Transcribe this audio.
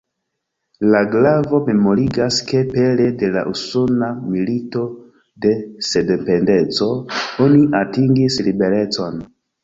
La glavo memorigas ke pere de la Usona Milito de Sendependeco oni atingis liberecon.